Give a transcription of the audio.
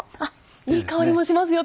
いい香りもしますよ